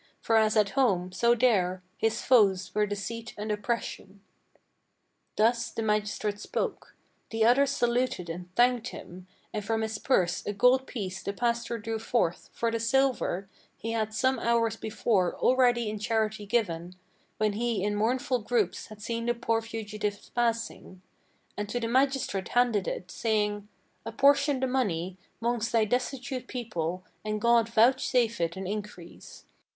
For as at home, so there, his foes were deceit and oppression." Thus the magistrate spoke. The others saluted and thanked him, And from his purse a gold piece the pastor drew forth: for the silver He had some hours before already in charity given, When he in mournful groups had seen the poor fugitives passing; And to the magistrate handed it, saying: "Apportion the money 'Mongst thy destitute people, and God vouchsafe it an increase."